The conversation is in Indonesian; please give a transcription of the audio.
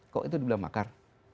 kok itu dibilang makar